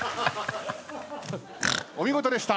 お見事でした。